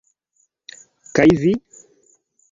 Kaj vi?